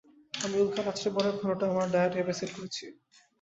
আমি উল্কার আছড়ে পড়ার ক্ষণটা আমার ডায়েট অ্যাপে সেট করেছি।